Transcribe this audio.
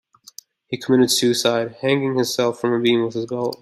He committed suicide, hanging himself from a beam with his belt.